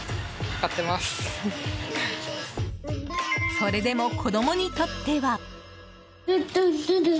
それでも子供にとっては。